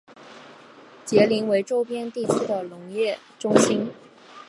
杰宁为周边地区的农业中心。